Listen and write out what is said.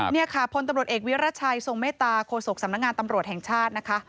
นี่ค่ะพลตำรวจเอกวิรัชัยทรงเมตตาโฆษกสำนักงานตำรวจแห่งชาตินะคะ